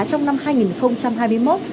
trong năm hai nghìn hai mươi một